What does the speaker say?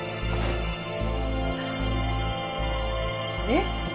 えっ？